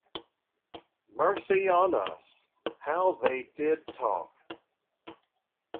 Mercy on us, how they did talk!